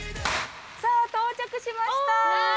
さあ、到着しました。